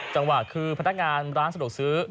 จังหวะคือพนักงานร้านสะดวกซื้อ